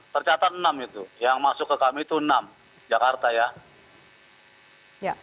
tercatat enam itu yang masuk ke kami itu enam jakarta ya